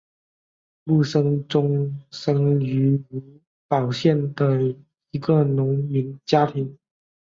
慕生忠生于吴堡县的一个农民家庭。